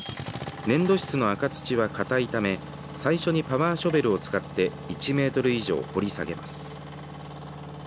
粘土質の赤土は硬いため最初にパワーショベルを使って１メートル以上、掘り下げます。